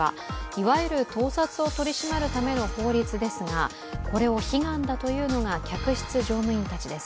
いわゆる盗撮を取り締まるための法律ですが、これを悲願だというのが客室乗務員たちです。